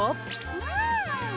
うん！